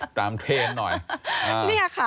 ตามเทรนหน่อย